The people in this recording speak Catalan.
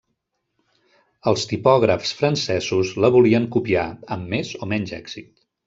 Els tipògrafs francesos la volien copiar, amb més o menys èxit.